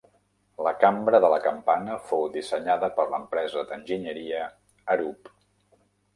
La cambra de la campana fou dissenyada per l'empresa d'enginyeria Arup.